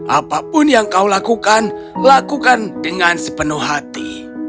apapun yang kau lakukan lakukan dengan sepenuh hati